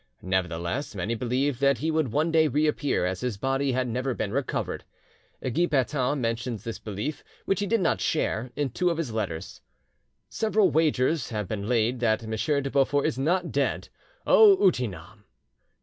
Nevertheless, many believed that he would one day reappear, as his body had never been recovered. Guy Patin mentions this belief, which he did not share, in two of his letters:— "Several wagers have been laid that M. de Beaufort is not dead! 'O utinam'!"